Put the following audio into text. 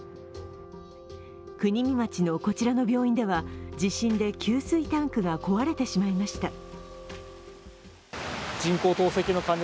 国見町のこちらの病院では地震で給水タンクが壊れてしまいました。